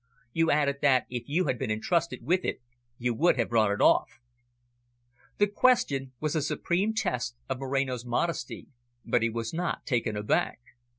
You added that if you had been entrusted with it, you would have brought it off." The question was a supreme test of Moreno's modesty, but he was not taken aback.